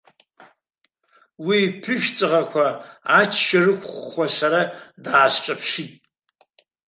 Уи иԥышә ҵаӷақәа ачча рықәххуа сара даасҿаԥшит.